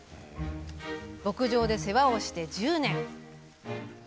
牧場で世話をして１０年。